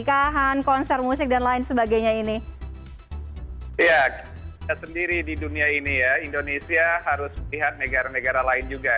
ya kita sendiri di dunia ini ya indonesia harus melihat negara negara lain juga